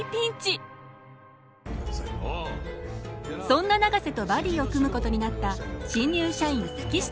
そんな永瀬とバディを組むことになった新入社員月下。